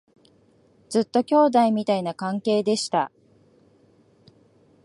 ずっと兄弟みたいな関係でした